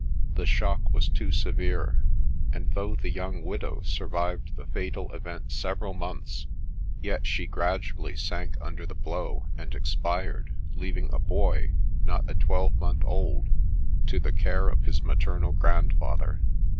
The shock was too severe ; and though the young widow survived the fatal event several months, yet she gradually sank under the blow, and expired, leaving a boy, not a twelvemonth old, to the care of his maternal grandfather.